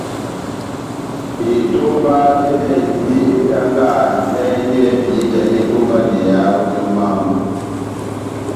Etomba ejahindi etalaha njahɛ yɛ́hɛ́pi éjahi etómbaneyaha ó míyɔ mámu.